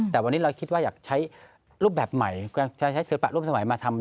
แต่วันนี้เราคิดว่าอยากใช้รูปแบบใหม่ใช้ศิลปะรูปสมัยมาทำ